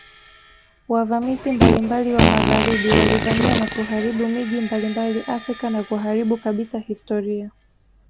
Wavamizi mbalimbali wa magharibi walivamia na kuharibu miji mbalimbali Afrika na kuharibu kabisa historia